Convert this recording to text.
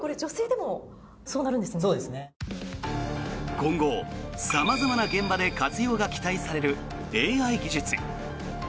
今後、様々な現場で活用が期待されるＡＩ技術。